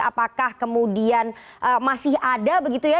apakah kemudian masih ada begitu ya